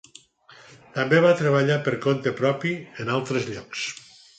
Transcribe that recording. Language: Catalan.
També va treballar per compte propi en altres llocs.